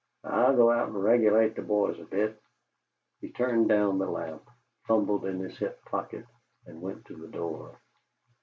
"I'll go out and regulate the boys a bit." He turned down the lamp, fumbled in his hip pocket, and went to the door.